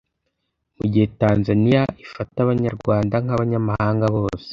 Mu gihe Tanzaniya ifata Abanyarwanda nk’abanyamahanga bose